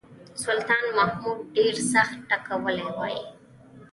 سلطان محمود ډېر سخت ټکولی وای.